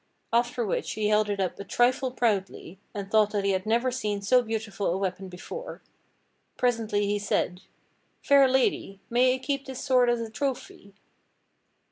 After which THE DOLOROUS STROKE 97 he held it up a trifle proudly, and thought that he had never seen so beautiful a weapon before. Presently he said: "Fair lady, may I keep this sword as a trophy.?"